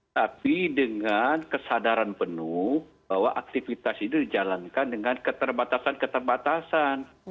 tapi dengan kesadaran penuh bahwa aktivitas itu dijalankan dengan keterbatasan keterbatasan